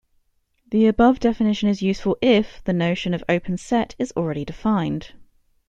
The above definition is useful if the notion of open set is already defined.